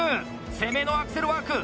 攻めのアクセルワーク！